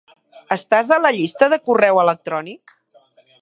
Estàs a la llista de correu electrònic?